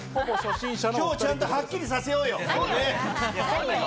今日ちゃんとはっきりさせようよ。